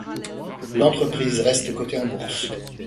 L'entreprise reste cotée en bourse.